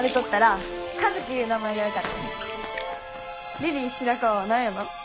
リリー白川は何やの？